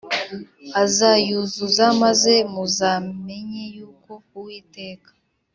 azayuzuza maze muzamenye yuko Uwiteka